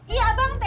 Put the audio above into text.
iya abang tega ya